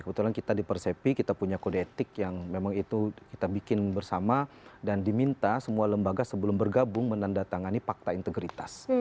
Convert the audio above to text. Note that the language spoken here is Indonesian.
kebetulan kita di persepi kita punya kode etik yang memang itu kita bikin bersama dan diminta semua lembaga sebelum bergabung menandatangani fakta integritas